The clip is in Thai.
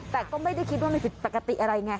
แต่ก็ไม่ได้คิดว่ามันผิดปกติอะไรไง